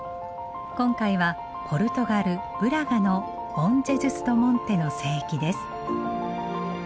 今回はポルトガルブラガのボン・ジェズス・ド・モンテの聖域です。